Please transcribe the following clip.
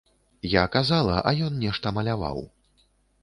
Я казала, а ён нешта маляваў.